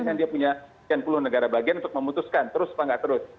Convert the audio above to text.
dan dia punya sepuluh negara bagian untuk memutuskan terus atau nggak terus